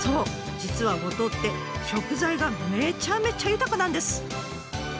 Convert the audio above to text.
実は五島って食材がめちゃめちゃ豊かなんです。